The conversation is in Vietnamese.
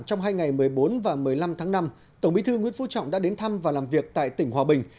trong hai ngày một mươi bốn và một mươi năm tháng năm tổng bí thư nguyễn phú trọng đã đến thăm và làm việc tại tỉnh hòa bình